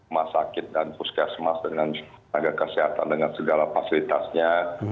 masyarakat dan puskesmas dengan tenaga kesehatan dengan segala fasilitasnya